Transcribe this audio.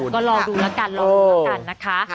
ก็ลองดูแล้วกันนะคะ